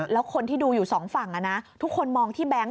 แล้วคนที่ดูอยู่สองฝั่งทุกคนมองที่แบงค